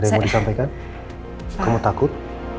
ada yang mau disampaikan kamu takut